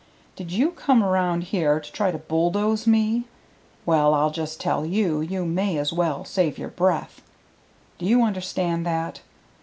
"Did you come around here to try to bulldoze me? Well, I'll just tell you you may as well save your breath. Do you understand that?